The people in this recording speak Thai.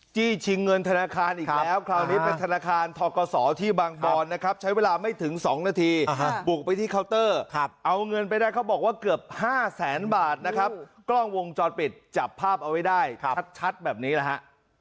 จี้ชิงเงินธนาคารอีกแล้วคราวนี้เป็นธนาคารทกศที่บางบอนนะครับใช้เวลาไม่ถึง๒นาทีบุกไปที่เคาน์เตอร์เอาเงินไปได้เขาบอกว่าเกือบ๕แสนบาทนะครับกล้องวงจรปิดจับภาพเอาไว้ได้ชัดแบบนี้แหละฮะ